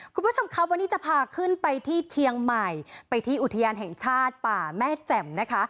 คุณผู้ชมครับวันนี้จะพาขึ้นไปที่เชียงใหม่ไปที่อุทยานแห่งชาติป่าแม่แจ่มนะคะ